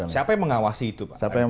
siapa yang mengawasi itu